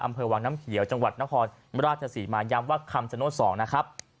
อำเภอวังน้ำเขียวจังหวัดนครราชศรีมาย้ำว่าคำชโนธ๒นะครับ